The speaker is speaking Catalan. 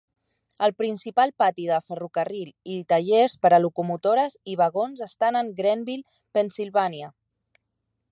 El principal pati de ferrocarril i tallers per a locomotores i vagons estan en Greenville, Pennsylvania.